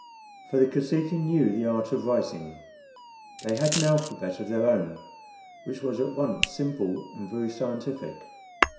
For the Kosekin knew the art of writing. They had an alphabet of their own, which was at once simple and very scientific.